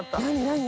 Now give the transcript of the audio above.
何？